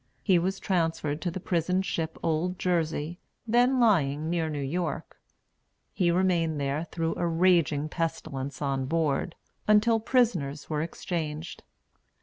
He was transferred to the prison ship Old Jersey, then lying near New York. He remained there, through a raging pestilence on board, until prisoners were exchanged.